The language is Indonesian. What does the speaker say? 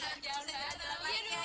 iya dong yaudah yaudah yaudah